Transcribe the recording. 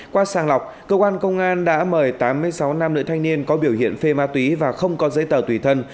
qua sàng lọc cơ quan công an đã mời tám mươi sáu nam nữ thanh niên có biểu hiện phê ma túy và không có giấy tờ tùy thân